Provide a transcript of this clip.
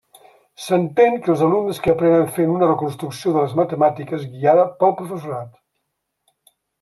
S'entén que els alumnes que aprenen fent una reconstrucció de les matemàtiques guiada pel professorat.